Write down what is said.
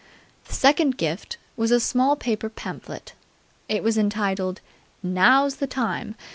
The second gift was a small paper pamphlet. It was entitled "Now's the Time!"